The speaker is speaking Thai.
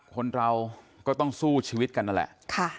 คนเราก็ต้องสู้ชีวิตกันนั่นแหละ